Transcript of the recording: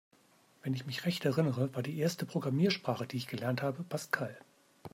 Wenn ich mich recht erinnere, war die erste Programmiersprache, die ich gelernt habe, Pascal.